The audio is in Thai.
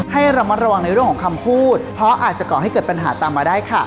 ให้ระมัดระวังในเรื่องของคำพูดเพราะอาจจะก่อให้เกิดปัญหาตามมาได้ค่ะ